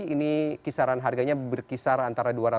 ini kisaran harganya berkisar antara dua ratus delapan puluh juta rupiah